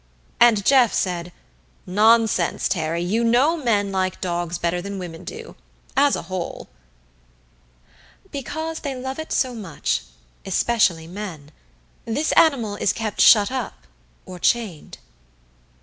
And Jeff said, "Nonsense, Terry you know men like dogs better than women do as a whole." "Because they love it so much especially men. This animal is kept shut up, or chained."